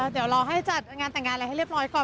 เดี๋ยวเราให้จัดงานแต่งงานอะไรให้เรียบร้อยก่อน